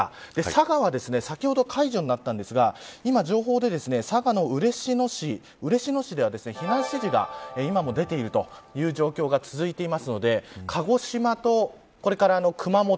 佐賀は先ほど解除になったんですが今情報で、佐賀の嬉野市嬉野市では避難指示が今も出ているという状況が続いていますので鹿児島と、これから熊本